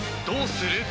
どうする？］